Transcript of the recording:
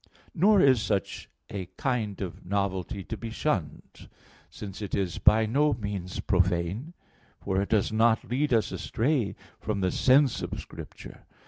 Nor is such a kind of novelty to be shunned; since it is by no means profane, for it does not lead us astray from the sense of Scripture.